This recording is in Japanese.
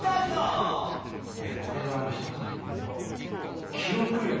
これは一言で言うと。